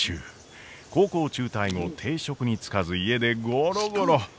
高校を中退後定職に就かず家でゴロゴロ。